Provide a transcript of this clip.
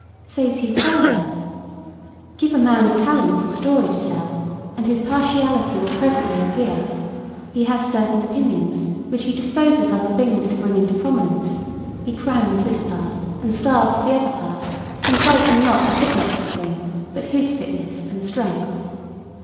Says he, further: "Give a man of talents a story to tell, and his partiality will presently appear: he has certain opinions which he disposes other things to bring into prominence; he crams this part and starves the other part, consulting not the fitness of the thing but his fitness and strength."